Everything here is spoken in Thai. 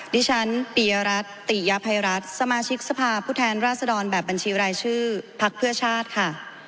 ดิฉันปียรัฐติยภัยรัฐสมาชิกสภาพผู้แทนราชดรแบบบัญชีรายชื่อพักเพื่อชาติค่ะ